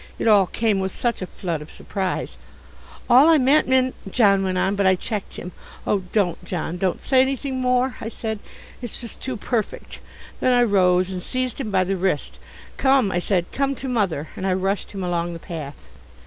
It all came with such a flood of surprise. "All I meant, Minn " John went on, but I checked him. "Oh, don't, John, don't say anything more," I said. "It's just too perfect." Then I rose and seized him by the wrist. "Come," I said, "come to Mother," and I rushed him along the path.